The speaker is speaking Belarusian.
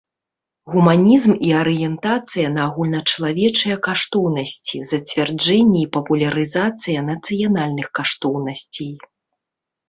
Гуманiзм i арыентацыя на агульначалавечыя каштоўнасцi, зацвярджэнне i папулярызацыя нацыянальных каштоўнасцей.